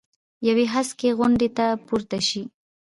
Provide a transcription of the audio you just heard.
یوې هسکې غونډۍ ته پورته شي.